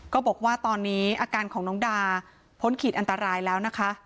ก็บอกว่าตอนนี้อาการของน้องดาพ้นขีดอันตรายแล้วนะคะ